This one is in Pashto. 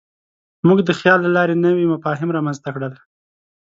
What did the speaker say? موږ د خیال له لارې نوي مفاهیم رامنځ ته کړل.